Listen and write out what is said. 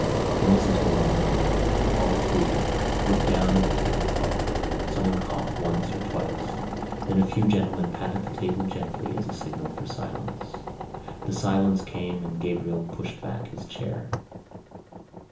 The Misses Morkan, all three, looked down at the tablecloth. Someone coughed once or twice and then a few gentlemen patted the table gently as a signal for silence. The silence came and Gabriel pushed back his chair.